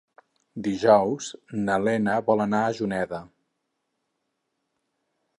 Dijous na Lena vol anar a Juneda.